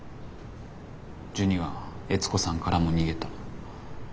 ジュニは悦子さんからも逃げた。